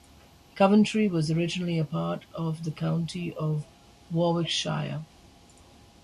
Coventry was originally a part of the county of Warwickshire.